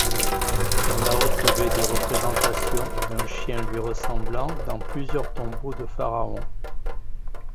On a retrouvé des représentations d'un chien lui ressemblant dans plusieurs tombeaux de pharaons.